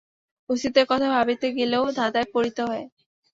অস্তিত্বের কথা ভাবিতে গেলেও ধাঁধায় পড়িতে হয়।